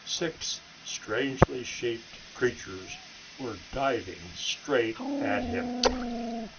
Six strangely shaped creatures were diving straight at him.